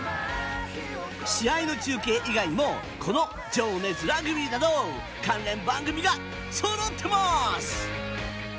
試合の中継以外にもこの「情熱ラグビー」など関連番組がそろってます！